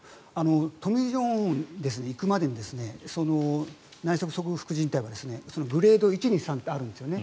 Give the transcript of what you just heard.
トミー・ジョンに行くまでに内側側副じん帯はグレード１、２、３とあるんですね。